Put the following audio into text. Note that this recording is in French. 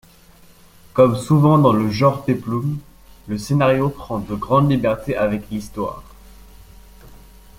Comme souvent dans le genre péplum, le scénario prend de grandes libertés avec l’Histoire.